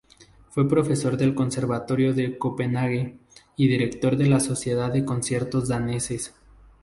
Fue profesor del Conservatorio de Copenhague y director de la Sociedad de Conciertos Daneses.